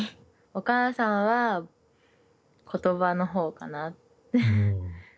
お母さんは言葉の方かな。